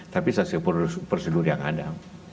tapi sesuai prosedur yang ada